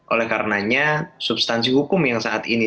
oleh karenanya substansi hukum yang saat ini